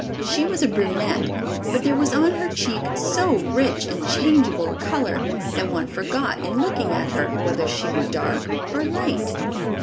She was a brunette, but there was on her cheek so rich and changeable a color that one forgot in looking at her, whether she were dark or light.